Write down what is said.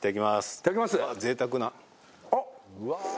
いただきます！